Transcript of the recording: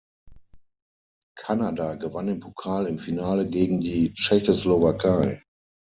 Kanada gewann den Pokal im Finale gegen die Tschechoslowakei.